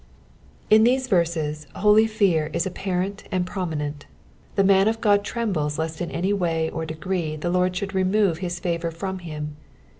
In these yerses holy fear is apparent and prominent. The man of God trembles lest in any way or degree the Lord snould remove his favour from him.